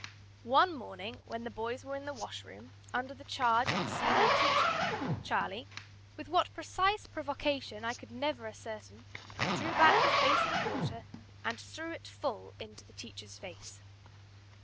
One morning, when the boys were in the washroom, under the charge of the senior teacher, Charlie, with what precise provocation I could never ascertain, drew back his basin of water and threw it full into the teacher's face.